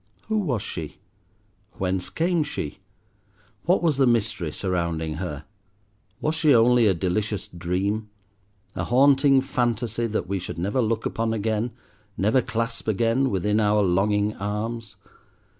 Who was she? Whence came she? What was the mystery surrounding her? Was she only a delicious dream, a haunting phantasy that we should never look upon again, never clasp again within our longing arms?